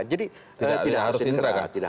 harus inkra kan